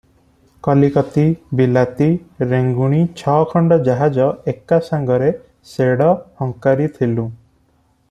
କଲିକତି, ବିଲାତି, ରେଙ୍ଗୁଣୀ ଛ ଖଣ୍ଡ ଜାହାଜ ଏକାସାଙ୍ଗରେ ଶେଡ଼ ହଙ୍କାରିଥିଲୁଁ ।